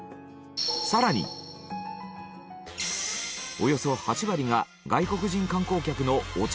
およそ８割が外国人観光客のお茶